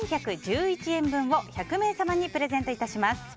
１１１１円分を１００名様にプレゼント致します。